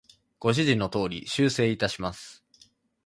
ご指示の通り、修正いたします。